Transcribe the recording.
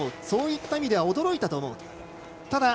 そういった意味では驚いたと思うと。